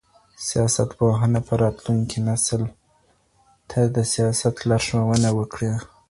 سياستپوهنه به راتلونکي نسل ته د سياست لارښوونه وکړي.